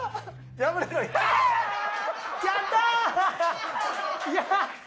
やった。